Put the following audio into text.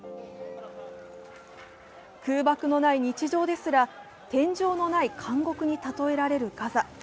空爆のない日常ですら天井のない監獄に例えられるガザ。